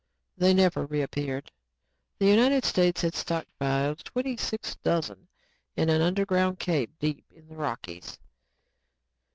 They never reappeared. The United States had stockpiled twenty six dozen in an underground cave deep in the Rockies.